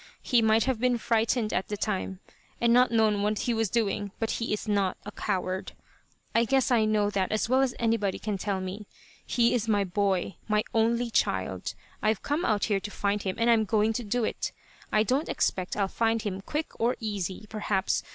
He might have been frightened at the time, and not known what he was doing, but he is not a coward. I guess I know that as well as anybody can tell me. He is my boy my only child. I've come out here to find him, and I'm going to do it. I don't expect I'll find him quick or easy, perhaps.